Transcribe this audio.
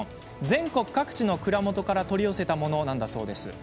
全国各地の蔵元から取り寄せたものなんだそうです。